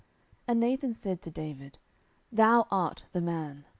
10:012:007 And Nathan said to David, Thou art the man.